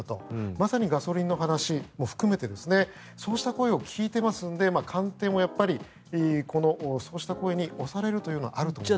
まさにガソリンの話も含めてそうした声を聞いてますので官邸もそうした声に押されるということはあると思います。